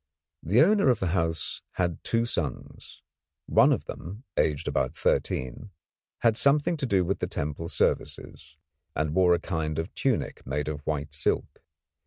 The owner of the house had two sons. One of them, aged about thirteen, had something to do with the temple services, and wore a kind of tunic made of white silk.